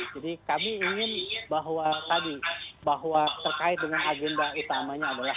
jadi kami ingin bahwa tadi bahwa terkait dengan agenda utamanya adalah